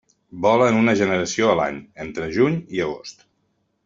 Vola en una generació a l'any, entre juny i agost.